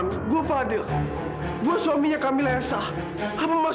terima kasih mila